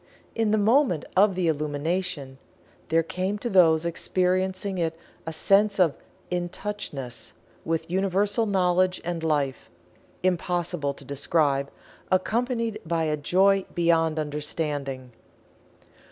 In the moment of the "Illumination" there came to those experiencing it a sense of "intouch ness" with Universal Knowledge and Life, impossible to describe, accompanied by a Joy beyond understanding.